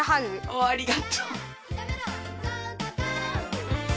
おありがとう。